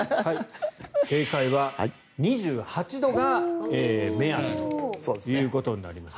正解は２８度が目安ということになります。